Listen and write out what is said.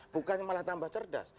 bukannya malah tambah cerdas